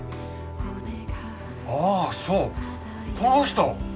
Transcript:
ああそうこの人！